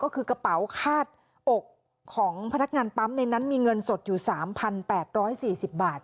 ก็คือกระเป๋าคาดอกของพนักงานปั๊มในนั้นมีเงินสดอยู่สามพันแปดร้อยสี่สิบบาท